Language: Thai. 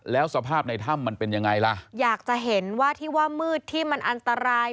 แล้วสภาพในถ้ำมันเป็นยังไงล่ะอยากจะเห็นว่าที่ว่ามืดที่มันอันตราย